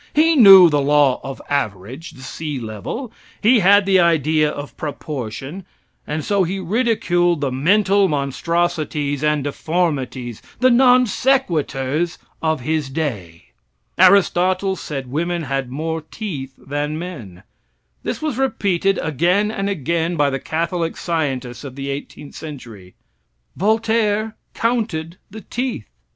He knew the law of average; the sea level; he had the idea of proportion; and so he ridiculed the mental monstrosities and deformities the non sequiturs of his day. Aristotle said women had more teeth than men. This was repeated again and again by the Catholic scientists of the eighteenth century. Voltaire counted the teeth.